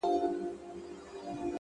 • پر خپل ځان باندي پرهېز یې وو تپلی ,